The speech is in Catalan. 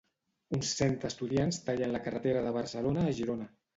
Uns cent estudiants tallen la carretera de Barcelona a Girona.